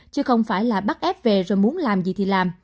chứ không phải là bắt ép về rồi muốn làm gì thì làm